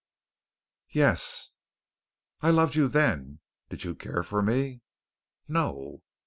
"Yes." "I loved you then. Did you care for me?" "No."